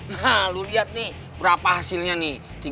nah lu lihat nih berapa hasilnya nih